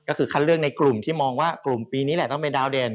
ก็คือคัดเลือกในกลุ่มที่มองว่ากลุ่มปีนี้แหละต้องเป็นดาวเด่น